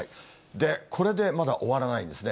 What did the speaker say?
で、これでまだ終わらないんですね。